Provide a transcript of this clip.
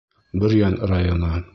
Бөрйән районы: